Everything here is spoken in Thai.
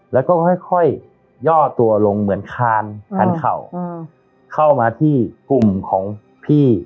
แล้วก็ค่อยย่อตัวลงเหมือนคานคานเข่าเข้ามาที่กลุ่มของพี่